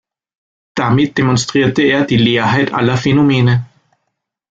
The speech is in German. Damit demonstrierte er die Leerheit aller Phänomene.